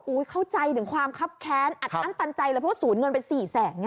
เข้าใจถึงความคับแค้นอัดอั้นตันใจเลยเพราะสูญเงินไป๔แสน